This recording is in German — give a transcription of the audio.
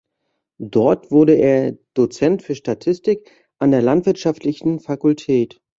Dort wurde er Dozent für Statistik an der landwirtschaftlichen Fakultät.